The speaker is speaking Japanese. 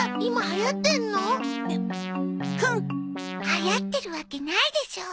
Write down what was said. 流行ってるわけないでしょ。